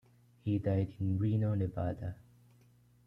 He died in Reno, Nevada.